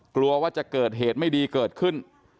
กลัวว่าจะเกิดเหตุไม่ดีเกิดขึ้น